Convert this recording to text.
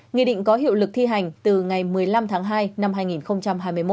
nghị định có hiệu lực thi hành từ ngày một mươi năm tháng hai năm hai nghìn hai mươi một